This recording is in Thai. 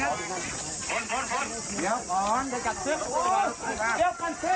นี่ค่ะคุณผู้ชมรักกรรณยาถาวรรณฑรรมโมอายุห้าสิบเก้าปี